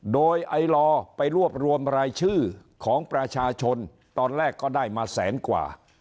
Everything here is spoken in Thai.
โดยไอลอไปรวบรวมรายชื่อของประชาชนตอนแรกก็ได้มาแสนกว่า